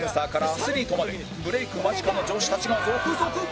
アスリートまでブレーク間近の女子たちが続々！